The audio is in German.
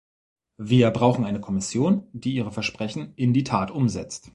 Wir brauchen eine Kommission, die ihre Versprechen in die Tat umsetzt.